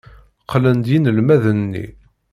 Qqlen-d yinelmaden-nni.